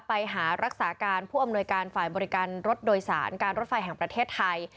ไปหารักษาการผู้อำนวยการฝ่ายบริการรถโดยสารการรถไฟแห่งประเทศไทย